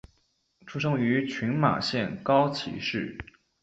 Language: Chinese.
出身于群马县高崎市。